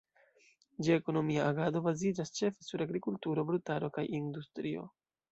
Ĝia ekonomia agado baziĝas ĉefe sur agrikulturo, brutaro kaj industrio.